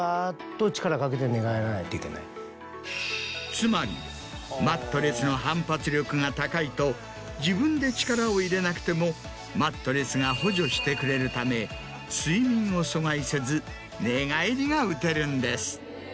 つまりマットレスの反発力が高いと自分で力を入れなくてもマットレスが補助してくれるため睡眠を阻害せず寝返りがうてるんです。